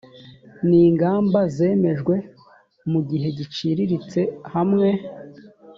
n ingamba zemejwe mu gihe giciriritse hamwe